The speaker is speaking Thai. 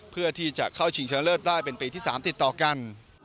เพื่อที่จะเข้าชิงชนะเลิศได้เป็นปีที่๓ติดต่อกัน